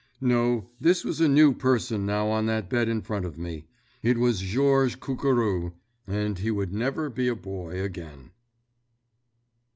No, this was a new person now on that bed in front of me. It was Georges Cucurou—and he would never be a boy again!